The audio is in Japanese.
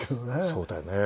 そうだよね。